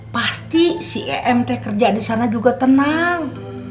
pasti si emt kerja di sana juga tenang